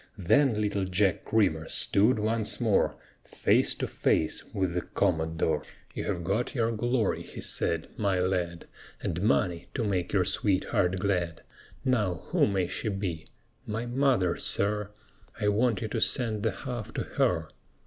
Then little Jack Creamer stood once more Face to face with the Commodore. "You have got your glory," he said, "my lad, And money to make your sweetheart glad. Now, who may she be?" "My mother, sir; I want you to send the half to her."